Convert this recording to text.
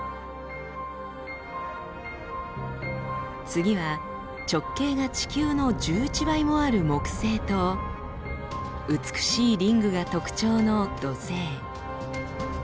次は直径が地球の１１倍もある木星と美しいリングが特徴の土星。